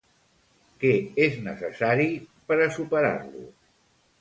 Què és necessari per a superar-lo?